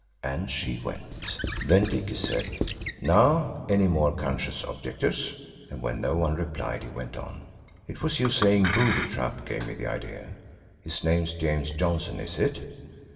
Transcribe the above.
And she went. Then Dicky said, "Now, any more conscious objectors?" And when no one replied he went on: "It was you saying 'Booby trap' gave me the idea. His name's James Johnson, is it?